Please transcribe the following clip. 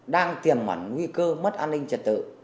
đang tiềm mẩn nguy cơ mất an ninh trật tự